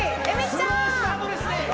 スロースタートですね。